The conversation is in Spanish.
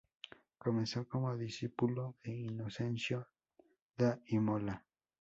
Comenzó como discípulo de Inocencio da Imola.